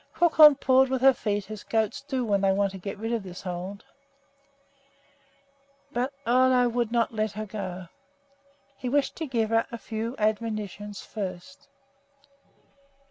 Crookhorn pawed with her feet as goats do when they want to get rid of this hold, but Ole would not let go. He wished to give her a few admonitions first.